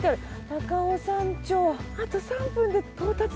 高尾山頂あと３分で到達する！